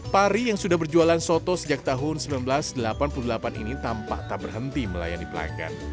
pak ari yang sudah berjualan soto sejak tahun seribu sembilan ratus delapan puluh delapan ini tampak tak berhenti melayani pelanggan